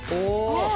あっ！